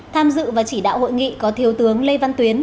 tham dự và chỉ đạo hội nghị có thiếu tướng lê văn tuyến